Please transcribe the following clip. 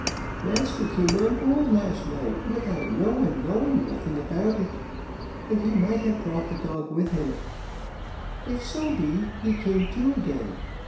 Master came on board last night without no one knowing nothing about it, and he might have brought the dog with him, if so be he came to again.